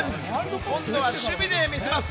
今度は守備でみせます。